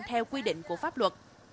theo quy định của pháp luật